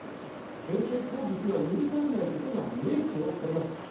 先制攻撃は許されないことが明記をされました。